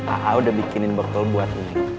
a'a udah bikinin buckle buat neng